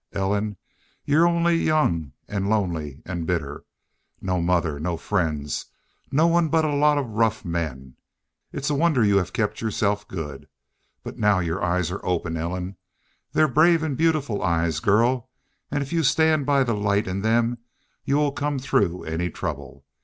"Ellen, you're only young an' lonely an' bitter. No mother no friends no one but a lot of rough men! It's a wonder you hev kept yourself good. But now your eyes are open, Ellen. They're brave an' beautiful eyes, girl, an' if you stand by the light in them you will come through any trouble.